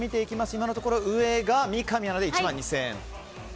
今のところ上が三上アナで１万２０００円。